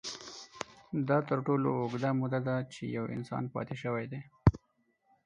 دا تر ټولو اوږده موده ده، چې یو انسان پاتې شوی دی.